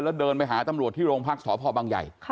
แล้วเดินไปหาตำรวจที่โรงพักษพบังใหญ่